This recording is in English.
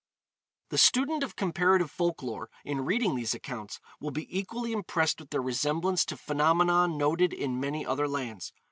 The student of comparative folk lore, in reading these accounts, will be equally impressed with their resemblance to phenomena noted in many other lands.